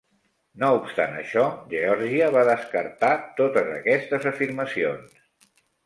No obstant això, Geòrgia va descartar totes aquestes afirmacions.